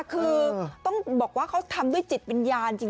คือต้องบอกว่าเขาทำด้วยจิตวิญญาณจริง